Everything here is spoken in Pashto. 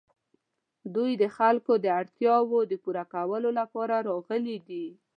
دوی د خلکو د اړتیاوو د پوره کولو لپاره راغلي دي.